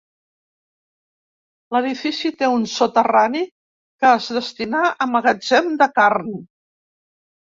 L'edifici té un soterrani que es destinà a magatzem de carn.